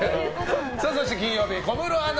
そして金曜日、小室アナ